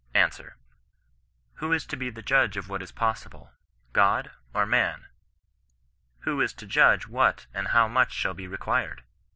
Answer. — ^Who is to be the judge of what is possible ? God, or man? Who is to judge what and how much shall be required